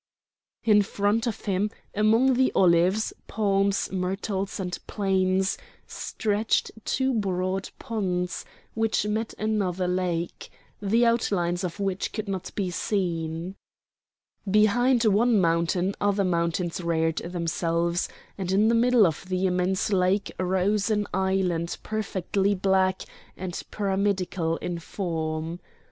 In front of him, among the olives, palms, myrtles and planes, stretched two broad ponds which met another lake, the outlines of which could not be seen. Behind one mountain other mountains reared themselves, and in the middle of the immense lake rose an island perfectly black and pyramidal in form.